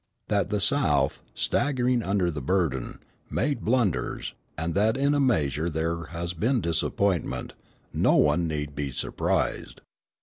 That the South, staggering under the burden, made blunders, and that in a measure there has been disappointment, no one need be surprised.